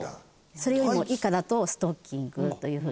それよりも以下だと「ストッキング」という風に。